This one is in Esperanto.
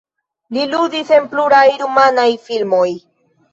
Li ludis en pluraj rumanaj filmoj.